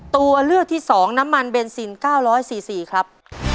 ตัวเลือกที่๒น้ำมันเบนซิน๙๔๔ครับ